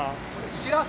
しらす。